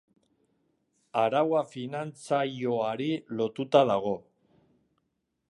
Araua finantzaioari lotuta dago.